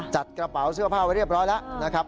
จัดกระเป๋าเสื้อผ้าไว้เรียบร้อยแล้วนะครับ